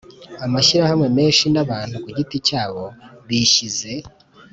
amashyirahamwe menshi n'abantu ku giti cyabo bishyize